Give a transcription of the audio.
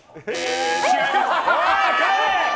違います。